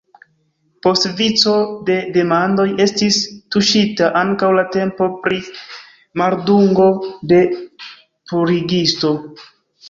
Post vico de demandoj estis tuŝita ankaŭ la temo pri maldungo de purigisto.